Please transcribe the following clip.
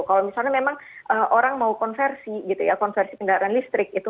kalau misalnya memang orang mau konversi konversi kendaraan listrik